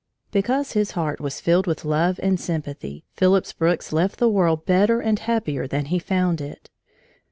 Because his heart was filled with love and sympathy, Phillips Brooks left the world better and happier than he found it.